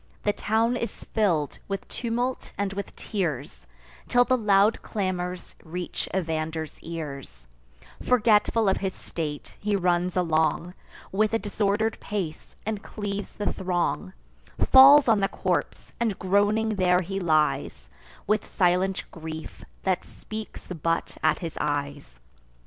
The town is fill'd with tumult and with tears, Till the loud clamours reach Evander's ears: Forgetful of his state, he runs along, With a disorder'd pace, and cleaves the throng; Falls on the corpse; and groaning there he lies, With silent grief, that speaks but at his eyes.